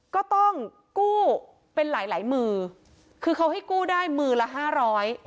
ก็ต้องกู้เป็นหลายหลายมือคือเขาให้กู้ได้มือละห้าร้อย